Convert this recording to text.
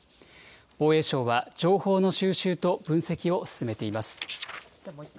防衛省は情報の収集と分析を進めています。